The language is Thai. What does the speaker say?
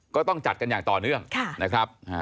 ก็ต้องจัดกันอย่างต่อเนื่องนะครับ